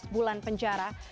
delapan belas bulan penjara